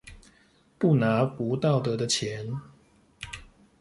不拿不道德的錢